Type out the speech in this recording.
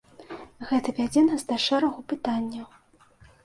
Гэта вядзе нас да шэрагу пытанняў.